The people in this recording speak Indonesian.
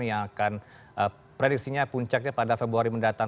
yang akan prediksinya puncaknya pada februari mendatang